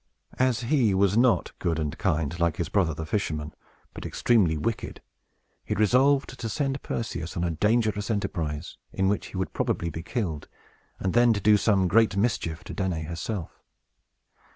As he was not good and kind, like his brother the fisherman, but extremely wicked, he resolved to send Perseus on a dangerous enterprise, in which he would probably be killed, and then to do some great mischief to Danaë herself.